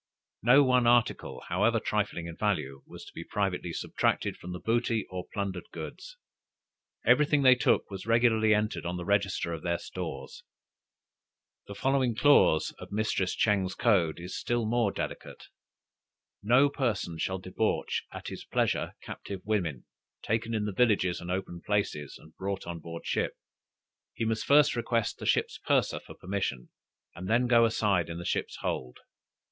No one article, however trifling in value, was to be privately subtracted from the booty or plundered goods. Every thing they took was regularly entered on the register of their stores. The following clause of Mistress Ching's code is still more delicate. No person shall debauch at his pleasure captive women, taken in the villages and open places, and brought on board a ship; he must first request the ship's purser for permission, and then go aside in the ship's hold.